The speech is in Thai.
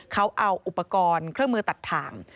เขาเอาอุปกรณ์เครื่องมือตัดถ่าง